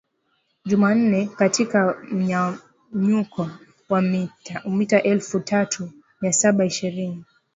Jumanne katika mnyanyuko wa mita elfu tatu mia saba ishirini